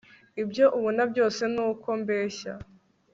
ibyo ubona byose nuko mbeshya